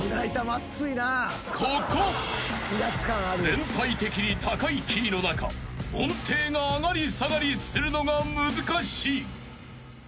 ［全体的に高いキーの中音程が上がり下がりするのが難しい］